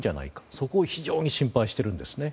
そこを非常に心配しているんですね。